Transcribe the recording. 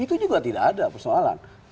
itu juga tidak ada persoalan